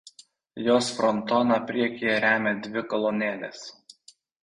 Jos frontoną priekyje remia dvi kolonėlės.